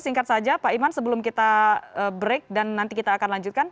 singkat saja pak iman sebelum kita break dan nanti kita akan lanjutkan